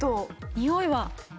においは。